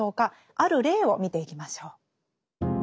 ある例を見ていきましょう。